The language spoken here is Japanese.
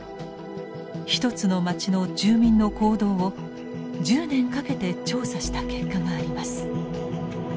一つの町の住民の行動を１０年かけて調査した結果があります。